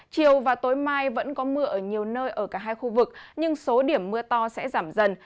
chiều và tối mai vẫn có mưa ở nhiều nơi ở cả hai khu vực nhưng số điểm mưa to sẽ giảm dần